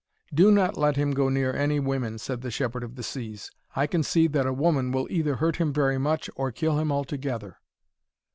'Do not let him go near any women,' said the Shepherd of the Seas. 'I can see that a woman will either hurt him very much, or kill him altogether.'